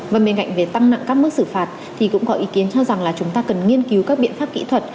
và bên cạnh về tăng nặng các mức xử phạt thì cũng có ý kiến cho rằng là chúng ta cần nghiên cứu các biện pháp kỹ thuật